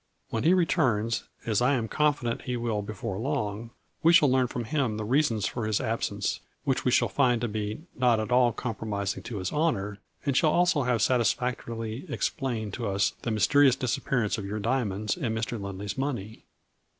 When he re turns, as I am confident he will before long, we shall learn from him the reasons for his absence, which we shall find to be not at all compromis ing to his honor, and shall also have satisfactor ily explained to us the mysterious disappear ance of your diamonds and Mr. Lindley's money.